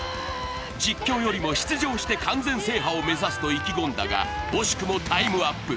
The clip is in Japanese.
実況よりも出場して完全制覇を目指すと意気込んだが惜しくもタイムアップ。